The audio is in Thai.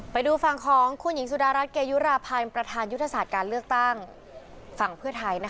ไปดูฝั่งของคุณหญิงสุดารัฐเกยุราพันธ์ประธานยุทธศาสตร์การเลือกตั้งฝั่งเพื่อไทย